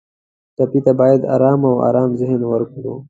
ټپي ته باید آرام او ارام ذهن ورکړو.